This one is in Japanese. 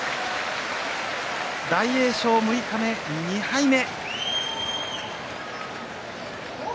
大栄翔、六日目、２敗目。